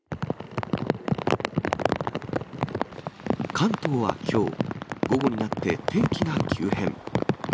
関東はきょう、午後になって天気が急変。